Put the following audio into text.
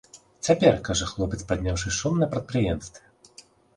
Цяпер, кажа хлопец, падняўся шум на прадпрыемстве.